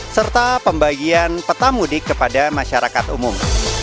serta pembagian peta mudik kepada masyarakat umum